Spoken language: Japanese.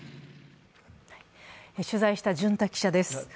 取材した巡田記者です。